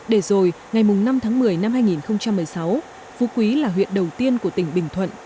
để rồi ngày năm tháng một mươi năm hai nghìn một mươi sáu phú quý là huyện đầu tiên của tỉnh bình thuận